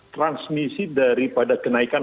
transmisi daripada kenaikan